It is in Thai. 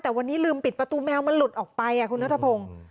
แต่วันนี้ลืมปิดประตูแมวมันหลุดออกไปคุณนัทพงศ์